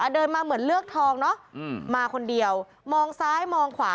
เดินมาเหมือนเลือกทองเนอะมาคนเดียวมองซ้ายมองขวา